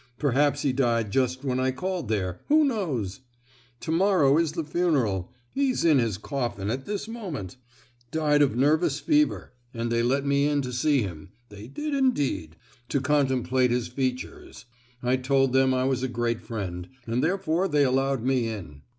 Perhaps he died just when I called there—who knows? To morrow is the funeral! he's in his coffin at this moment! Died of nervous fever; and they let me in to see him—they did indeed!—to contemplate his features! I told them I was a great friend—and therefore they allowed me in!